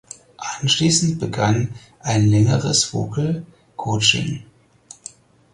Anschließend begann ein längeres Vocal Coaching.